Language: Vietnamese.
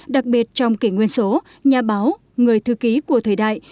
đặc biệt trong kỷ nguyên số nhà báo người thư ký của thời đại